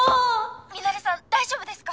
「ミナレさん大丈夫ですか？」